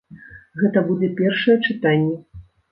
Гэта будзе першае чытанне.